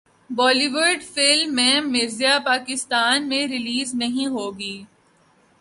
بولی would film Man Marziyan Pakistan میں release نہیں ہوگی